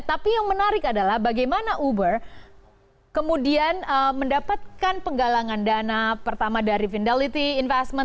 tapi yang menarik adalah bagaimana uber kemudian mendapatkan penggalangan dana pertama dari vindality investment